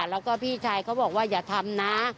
แล้วก็พี่ชายเขาบอกว่าอย่าทำนะ